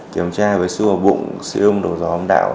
kiểm tra với sưu hòa bụng sưu hông đồ gió ông đạo